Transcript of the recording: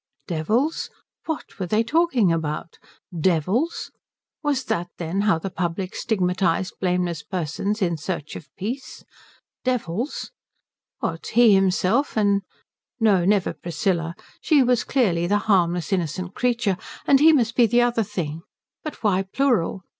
Devils? What were they talking about? Devils? Was that, then, how the public stigmatized blameless persons in search of peace? Devils? What, himself and no, never Priscilla. She was clearly the harmless innocent creature, and he must be the other thing. But why plural?